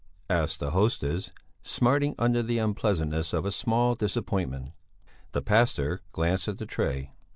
asked the hostess, smarting under the unpleasantness of a small disappointment. The pastor glanced at the tray.